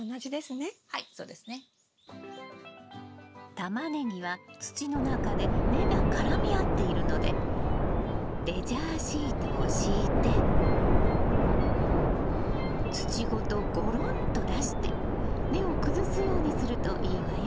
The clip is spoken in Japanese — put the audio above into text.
タマネギは土の中で根が絡み合っているのでレジャーシートを敷いて土ごとゴロンと出して根を崩すようにするといいわよ。